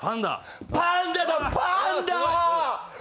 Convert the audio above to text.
パンダだパンダ！